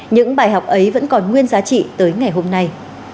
những bài học ấy vẫn còn nguyên giá trị tới ngày hôm nay